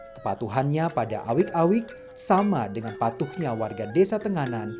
kepatuhannya pada awik awik sama dengan patuhnya warga desa tenganan